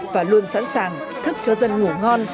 và luôn sẵn sàng thức cho dân ngủ ngon